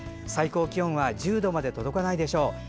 最高気温は１０度まで届かないでしょう。